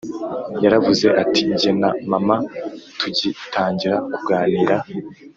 Yaravuze ati jye na mama tugitangira kuganira